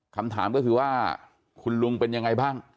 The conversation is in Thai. คำถามก็คือว่าคุณลุงเป็นยังไงบ้าง